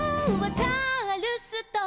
「チャールストン」